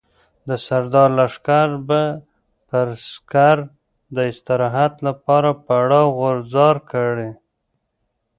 د سردار لښکر به پر سکر د استراحت لپاره پړاو غورځار کړي.